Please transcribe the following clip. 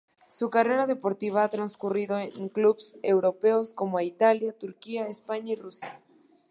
Su carrera deportiva ha transcurrido en clubes europeos, como Italia, Turquía, España y Rusia.